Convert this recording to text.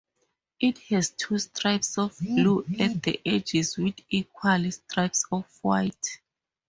It has two stripes of blue at the edges with equal stripes of white.